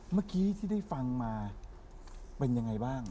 เมื่อกี้ที่ได้ฟังมาเป็นยังไงบ้าง